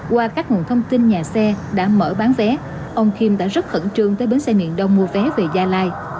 qua các nguồn thông tin nhà xe đã mở bán vé ông kim đã rất khẩn trương tới bến xe miền đông mua vé về gia lai